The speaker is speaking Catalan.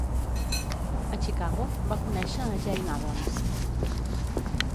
A Chicago va conèixer a Jane Addams.